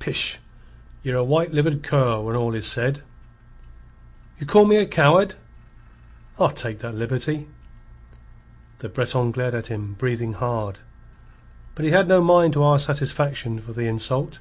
"Pish! Ye're a white livered cur when all is said." "You call me a coward?" "I'll take that liberty." The Breton glared at him, breathing hard. But he had no mind to ask satisfaction for the insult.